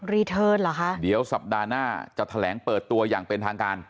รีเทิร์นเหรอคะเดี๋ยวสัปดาห์หน้าจะแถลงเปิดตัวอย่างเป็นทางการ